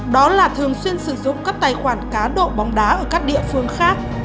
đó là thường xuyên sử dụng các tài khoản cá độ bóng đá ở các địa phương khác